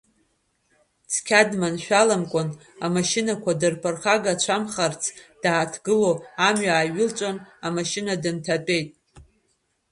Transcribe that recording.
Цқьа дманшәаламкәан, амашьынақәа дырԥырхагацәамхарц дааҭгыло, амҩа ааиҩылҵәан, амашьына дынҭатәеит.